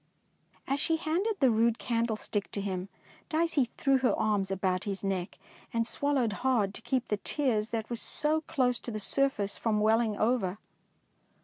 As she handed the rude candlestick DICEY LANGSTON to him, Dicey threw her arms about his neck and swallowed hard to keep the tears that were so close to the surface from welling over.